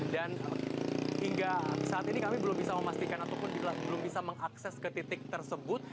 dan hingga saat ini kami belum bisa memastikan ataupun belum bisa mengakses ke titik tersebut